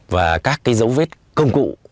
và các cái dấu vết công cụ